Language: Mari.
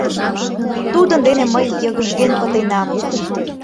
Тудын дене мый йыгыжген пытенам.